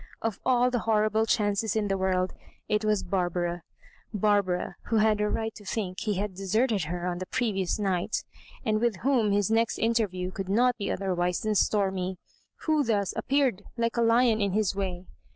Of all the horrible chances in the world, it was Bar bara—Barbara, who had a right to think he had deserted her on a previous night, and with whom his next interview could not be otherwise than stormy — who thus appeared like a lion in his way.